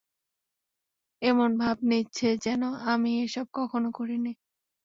এমন ভাব নিচ্ছে যেন আমি এসব কখনো করিনি।